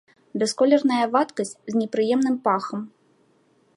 Бясколерная вадкасць з непрыемным пахам.